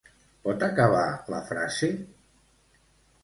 Pot acabar la frase?